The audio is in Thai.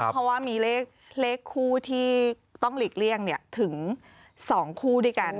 เพราะว่ามีเลขคู่ที่ต้องหลีกเลี่ยงถึง๒คู่ด้วยกัน